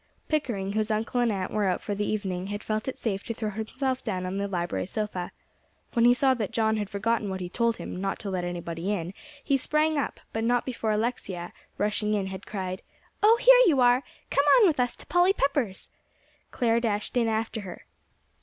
Pickering, whose uncle and aunt were out for the evening, had felt it safe to throw himself down on the library sofa. When he saw that John had forgotten what he told him, not to let anybody in, he sprang up; but not before Alexia, rushing in, had cried, "Oh, here you are! Come on with us to Polly Pepper's!" Clare dashed in after her.